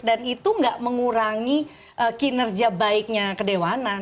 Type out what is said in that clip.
dan itu gak mengurangi kinerja baiknya kedewanan